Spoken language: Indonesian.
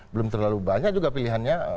belum terlalu banyak juga pilihannya